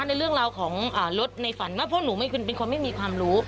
ในเรื่องราวของรถในฝันว่าพวกหนูเป็นคนไม่มีความรู้